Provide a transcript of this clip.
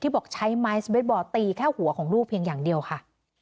บอกใช้ไม้สเบสบอลตีแค่หัวของลูกเพียงอย่างเดียวค่ะ